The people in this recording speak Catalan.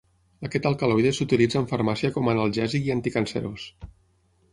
Aquest alcaloide s'utilitza en farmàcia com analgèsic i anticancerós.